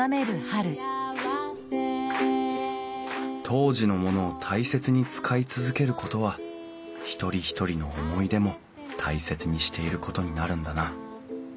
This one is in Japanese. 当時のものを大切に使い続けることは一人一人の思い出も大切にしていることになるんだな